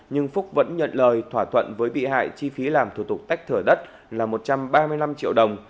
nhưng phúc vẫn nhận lời thỏa thuận với bị hại chi phí làm thủ tục tách thửa đất là một trăm ba mươi năm triệu đồng